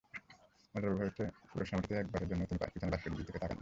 মজার ব্যাপার হচ্ছে পুরো সময়টিতে একটিবারের জন্যও তিনি পেছনে বাস্কেটের দিকে তাকাননি।